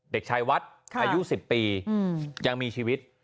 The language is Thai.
เด็กชายวัดอายุ๑๐ปียังมีชีวิต